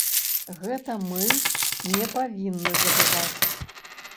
Гэта мы не павінны забываць.